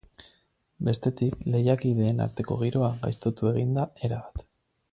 Bestetik, lehiakideen arteko giroa gaiztotu egin da erabat.